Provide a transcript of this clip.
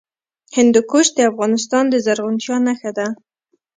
هندوکش د افغانستان د زرغونتیا نښه ده.